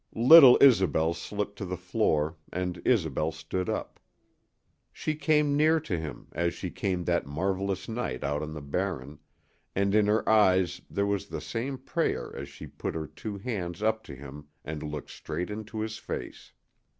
Little Isobel slipped to the floor, and Isobel stood up. She came near to him, as she came that marvelous night out on the Barren, and in her eyes there was the same prayer as she put her two hands up to him and looked straight into his face.